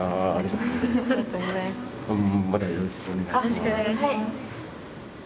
よろしくお願いします。